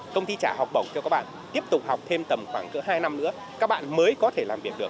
công ty trả học bổng cho các bạn tiếp tục học thêm tầm khoảng hai năm nữa các bạn mới có thể làm việc được